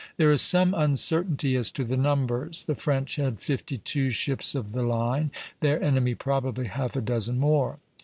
There is some uncertainty as to the numbers; the French had fifty two ships of the line, their enemy probably half a dozen more.